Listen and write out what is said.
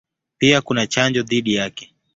Pia kuna chanjo dhidi yake.